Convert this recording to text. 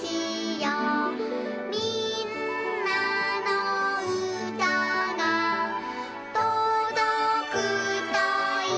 「みんなのうたがとどくといいな」